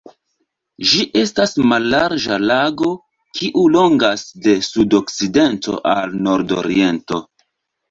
Ĝi estas mallarĝa lago kiu longas de sudokcidento al nordoriento.